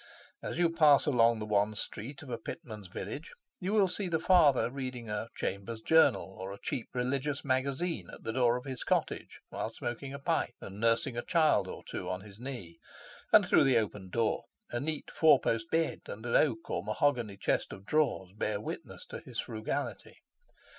As you pass along the one street of a pitman's village, you will see the father reading a Chambers' Journal or a cheap religious magazine at the door of his cottage while smoking a pipe, and nursing a child or two on his knee; and through the open door, a neat four post bed and an oak or mahogany chest of drawers bear witness to his frugality.